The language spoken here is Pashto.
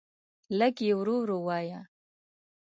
لږ یی ورو ورو وایه